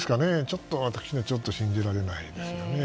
ちょっと私には信じられないです。